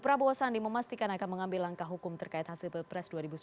prabowo sandi memastikan akan mengambil langkah hukum terkait hasil pilpres dua ribu sembilan belas